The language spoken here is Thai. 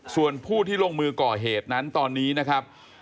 ส่วนผู้ที่ลงมือก่อเหตุนั้นตอนนี้นะครับ